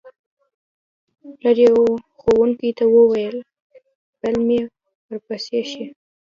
پلار یې ښوونکو ته وویل: بلا مې ورپسې شه.